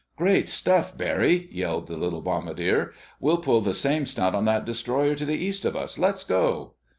"Great stuff, Barry!" yelled the little bombardier. "We'll pull the same stunt on that destroyer to the east of us. Let's go!"